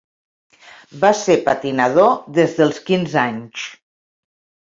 Va ser patinador des dels quinze anys.